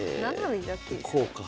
こうか。